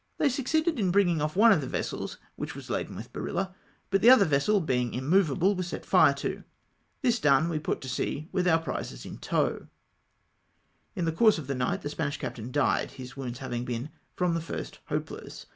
They succeeded in bringing off one of the vessels which was laden with barilla, but the other vessel, being immovable, was set fire to. This done we put to sea with our prizes in tow. Li the course of the night the Spanish captain died, his wounds having been from the first hopeless.